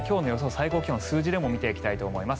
最高気温数字でも見ていきたいと思います